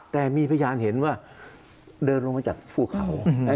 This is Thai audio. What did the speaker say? แต่มีพยานเห็นว่าเดินลงมาจากภูเขา